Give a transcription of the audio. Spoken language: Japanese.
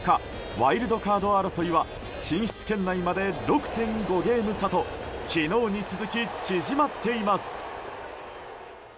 ワイルドカード争いは進出圏内まで６．５ゲーム差と昨日に続き縮まっています。